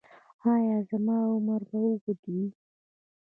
ایا زما عمر به اوږد وي؟